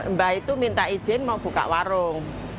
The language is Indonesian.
mbak itu minta izin mau buka warung